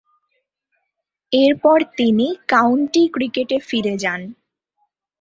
এরপর তিনি কাউন্টি ক্রিকেটে ফিরে যান।